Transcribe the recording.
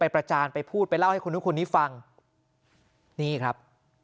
ไปพูดไปเล่าให้คนทุกคนนี้ฟังนี่ครับ